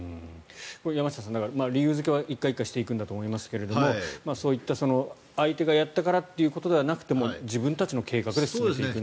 山下さん、理由付けは１回、１回していくと思うんですがそういった、相手がやったからということではなくてもう自分たちの計画で進めていくんだと。